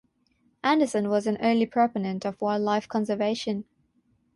Anderson was an early proponent of wildlife conservation.